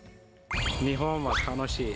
日本は楽しい。